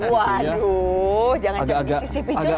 waduh jangan jadi ccp curhat juga ya